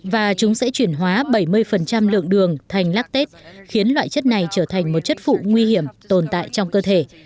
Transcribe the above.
và chúng sẽ chuyển hóa bảy mươi lượng đường thành lác tết khiến loại chất này trở thành một chất phụ nguy hiểm tồn tại trong cơ thể